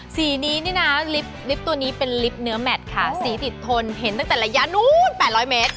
สีนี้นี่นะลิฟต์ตัวนี้เป็นลิฟต์เนื้อแมทค่ะสีติดทนเห็นตั้งแต่ระยะนู้น๘๐๐เมตร